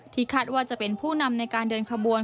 คาดว่าจะเป็นผู้นำในการเดินขบวน